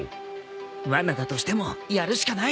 わなだとしてもやるしかない。